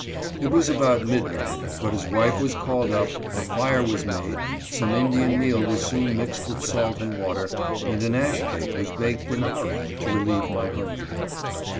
It was about midnight, but his wife was called up, a fire was made, some Indian meal was soon mixed with salt and water, and an ash cake was baked in a hurry, to relieve my hunger.